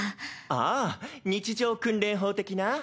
ああ日常訓練法的な？